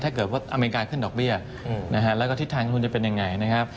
ถ้าเกิดว่าอเมริกาขึ้นดอกเบี้ยนะฮะแล้วก็ทิศทางลงทุนจะเป็นยังไงนะครับ